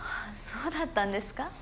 そうだったんですか。